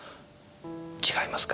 違いますか？